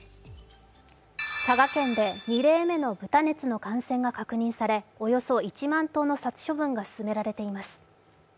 佐賀県で２例目の豚熱の感染が確認されおよそ１万頭の殺処分が進められています。